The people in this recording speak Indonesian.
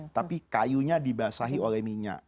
tapi kayunya dibasahi oleh minyak